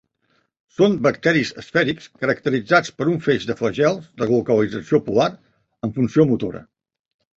Són bacteris esfèrics caracteritzats per un feix de flagels de localització polar amb funció motora.